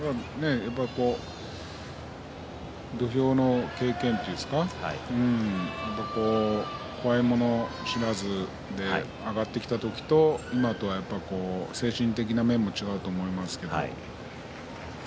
土俵の経験というんですか怖いもの知らずで上がってきた時と今とは精神的な面も違うと思うんですけれども。